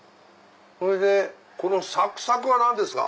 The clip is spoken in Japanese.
それでこのサクサクは何ですか？